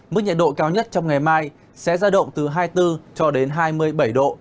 mức nhiệt độ cao nhất trong ngày mai sẽ ra động từ hai mươi bốn cho đến hai mươi bảy độ